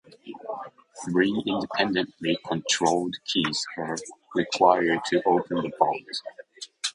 Three independently controlled keys are required to open the vault.